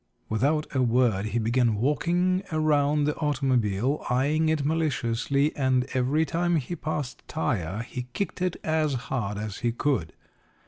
Without a word he began walking around the automobile, eyeing it maliciously, and every time he passed a tire he kicked it as hard as he could.